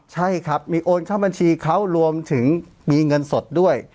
ใช่ครับมีโอนเข้าบัญชีเขารวมถึงมีเงินสดด้วย